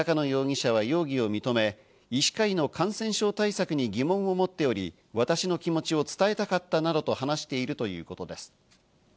調べに対し、高野容疑者は容疑を認め、医師会の感染症対策に疑問を持っており、私の気持ちを伝えたかったなどと話しているということです。